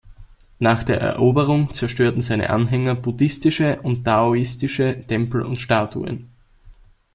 Nach der Eroberung zerstörten seine Anhänger buddhistische und taoistische Tempel und Statuen.